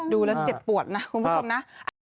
ดูแล้วเจ็บปวดนะคุณผู้ชมนะ